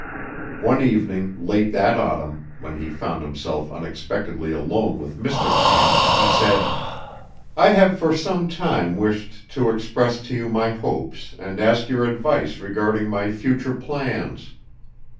One evening late that autumn, when he found himself unexpectedly alone with Mr. Camp, he said: "I have for some time wished to express to you my hopes and ask your advice regarding my future plans.